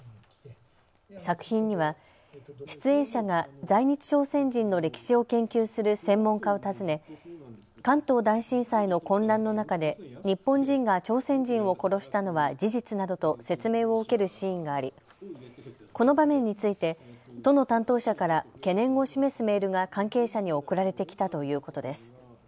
作品には出演者が在日朝鮮人の歴史を研究する専門家を訪ね関東大震災の混乱の中で日本人が朝鮮人を殺したのは事実などと説明を受けるシーンがありこの場面について都の担当者から懸念を示すメールが関係者に送られてきたということです。